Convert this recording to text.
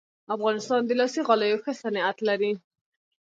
افغانستان د لاسي غالیو ښه صنعت لري